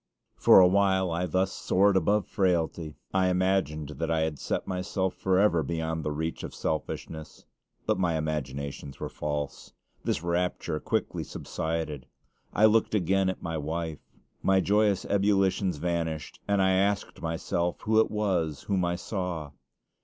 For a while I thus soared above frailty. I imagined I had set myself forever beyond the reach of selfishness; but my imaginations were false. This rapture quickly subsided. I looked again at my wife. My joyous ebullitions vanished, and I asked myself who it was whom I saw.